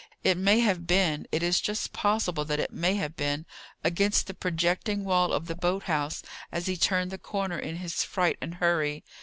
It may have been, it is just possible that it may have been, against the projecting wall of the boat house, as he turned the corner in his fright and hurry.